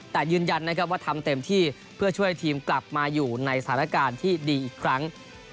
แต่ยืนยันนะครับว่าทำเต็มที่เพื่อช่วยทีมกลับมาอยู่ในสถานการณ์ที่ดีอีกครั้ง